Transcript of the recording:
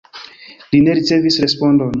Li ne ricevis respondon.